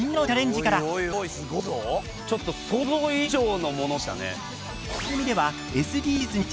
ちょっと想像以上のものでしたね。